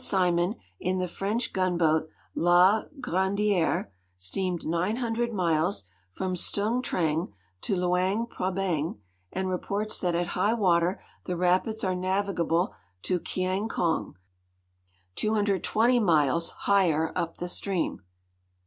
Simon, in the French gun boat, La Grandi^re, steamed 900 miles, from Stnng Treng to Lnang Prabang, and reports that at high water the rapids are navigable to Kiang kong, 220 miles higher up the stream.